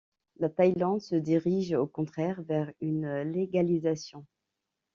La Thaïlande se dirige au contraire vers une légalisation.